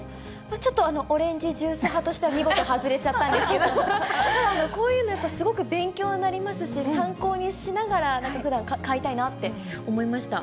ちょっとオレンジジュース派としては、見事外れちゃったんですけど、こういうの、すごく勉強になりますし、参考にしながら、ふだん、買いたいなって思いました。